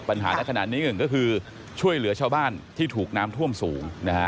ปัญหาในขณะนี้หนึ่งก็คือช่วยเหลือชาวบ้านที่ถูกน้ำท่วมสูงนะฮะ